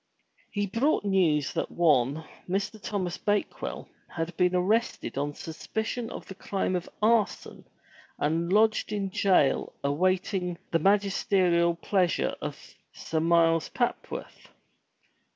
He brought news that one, Mr. Thomas Bakewell, had been arrested on sus picion of the crime of arson and lodged in jail awaiting the magis 239 MY BOOK HOUSE terial pleasure of Sir Miles Papworth.